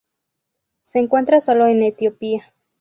Se encuentra solo en Etiopía.